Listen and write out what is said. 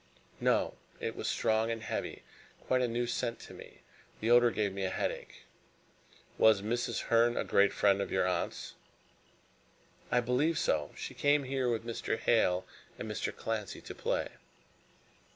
"No. It was strong and heavy. Quite a new scent to me. The odor gave me a headache!" "Was Mrs. Herne a great friend of your aunt's?" "I believe so. She came here with Mr. Hale and Mr. Clancy to play."